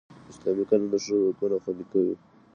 اسلامي قانون د ښځو حقونه خوندي کوي